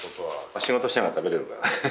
仕事しながら食べれるから。